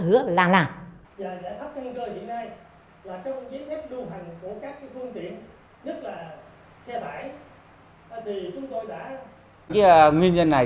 giải pháp ngân cơ hiện nay là trong chiếc đu hành của các phương tiện nhất là xe bãi